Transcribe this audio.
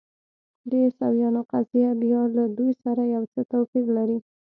د عیسویانو قضیه بیا له دوی سره یو څه توپیر لري.